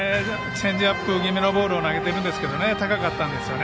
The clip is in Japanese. チェンジアップ気味のボールを投げているんですが高かったですね。